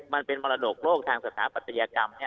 มันเป็นมรดกโลกทางสถาปัตยกรรม